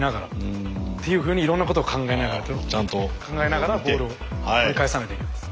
っていうふうにいろんなことを考えながら考えながらボールを取り返さないといけないです。